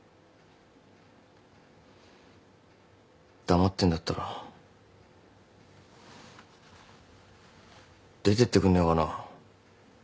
黙ってんだったら出てってくんねえかな。